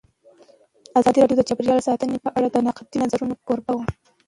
ازادي راډیو د چاپیریال ساتنه په اړه د نقدي نظرونو کوربه وه.